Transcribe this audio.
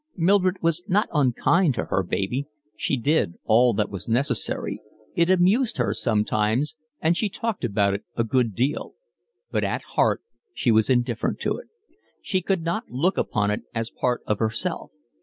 Mildred was not unkind to her baby; she did all that was necessary; it amused her sometimes, and she talked about it a good deal; but at heart she was indifferent to it. She could not look upon it as part of herself.